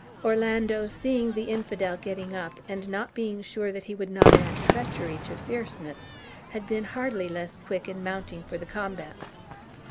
Orlando seeing the infidel getting up, and not being sure that he would not add treachery to fierceness, had been hardly less quick in mounting for the combat.